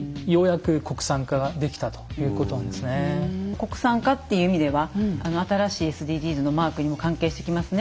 国産化っていう意味では新しいＳＤＧｓのマークにも関係してきますね。